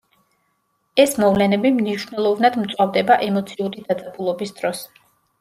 ეს მოვლენები მნიშვნელოვნად მწვავდება ემოციური დაძაბულობის დროს.